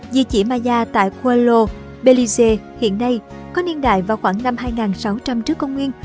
di chỉ maya tại khoelo bellise hiện nay có niên đại vào khoảng năm hai nghìn sáu trăm linh trước công nguyên